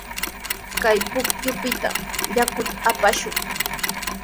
Kay pukyupitami yakuta apashun.